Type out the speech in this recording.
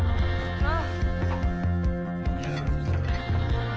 ああ。